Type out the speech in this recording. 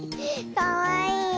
かわいいよ。